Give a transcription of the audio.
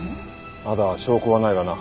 まだ証拠はないがな。